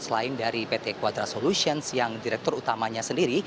selain dari pt quadra solutions yang direktur utamanya sendiri